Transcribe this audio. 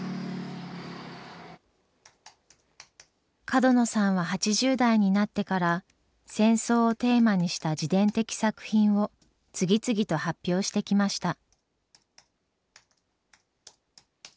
角野さんは８０代になってから戦争をテーマにした自伝的作品を次々と発表してきました。